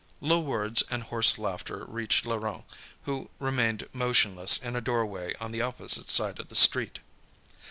Low words and hoarse laughter reached Laurent, who remained motionless in a doorway on the opposite side of the street.